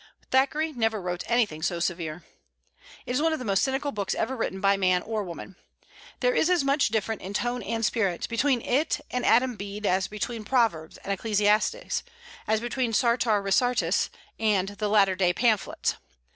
Thackeray never wrote anything so severe. It is one of the most cynical books ever written by man or woman. There is as much difference in tone and spirit between it and "Adam Bede," as between "Proverbs" and "Ecclesiastes;" as between "Sartor Resartus" and the "Latter Day Pamphlets."